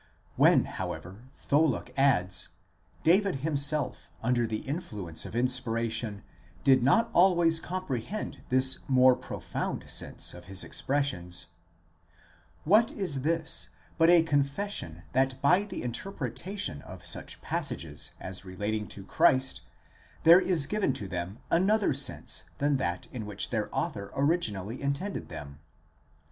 When, however, Tholuck adds: David him self, under the influence of inspiration, did not always comprehend this more profound sense of his expressions ; what is this but a confession that by the interpretation of such passages as relating to Christ there is given to them another sense than that in which their author originally intended them?